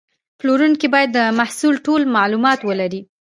پلورونکی باید د محصول ټول معلومات ولري.